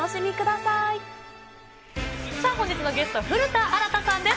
さあ、本日のゲスト、古田新太さんです。